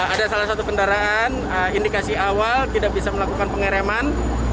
ada salah satu kendaraan indikasi awal tidak bisa melakukan pengereman